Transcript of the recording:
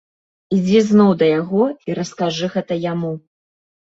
Ідзі зноў да яго і раскажы гэта яму.